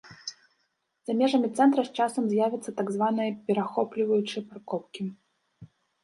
За межамі цэнтра з часам з'явяцца так званыя перахопліваючыя паркоўкі.